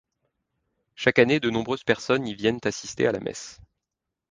Chaque année, de nombreuses personnes y viennent assister à la Messe.